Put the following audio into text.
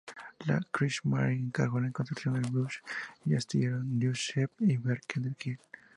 La Kriegsmarine encargó la construcción del "Blücher" al astillero Deutsche Werke de Kiel.